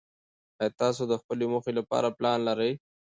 ایا تاسو د خپلې موخې لپاره پلان لرئ؟